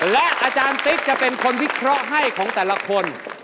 และอาจารย์ติ๊กจะเป็นคนพิเคราะห์ให้ของแต่ละคน